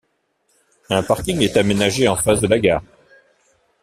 Un parking est aménagé en face de la gare.